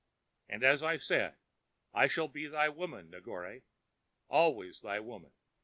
And as I say, I shall be thy woman, Negore, always thy woman.